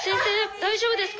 大丈夫ですか？